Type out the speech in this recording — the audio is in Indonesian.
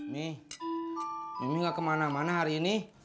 mimi mimi nggak kemana mana hari ini